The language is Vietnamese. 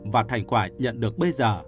và thành quả nhận được bây giờ